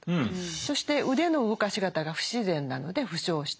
そして腕の動かし方が不自然なので負傷したのかな。